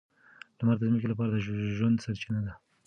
لمر د ځمکې لپاره د ژوند سرچینه ده.